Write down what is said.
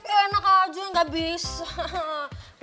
enak aja gak bisa